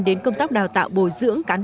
đến công tác đào tạo bồi dưỡng